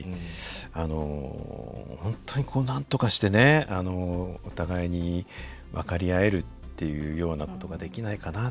あの本当になんとかしてねお互いに分かり合えるっていうようなことができないかな。